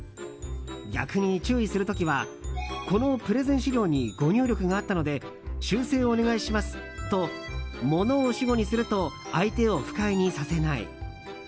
逆に注意する時はこのプレゼン資料に誤入力があったので修正をお願いしますと物を主語にすると相手を不快にさせない。